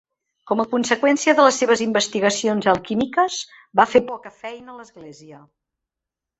Com a conseqüència de les seves investigacions alquímiques, va fer poca feina a l'església.